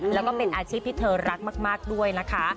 แล้วก็เป็นอาชีพที่เธอรักมากด้วยนะคะ